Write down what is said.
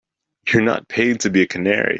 You're not paid to be a canary.